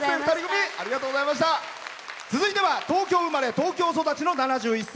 続いては東京生まれ、東京育ちの７１歳。